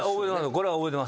これは覚えてます。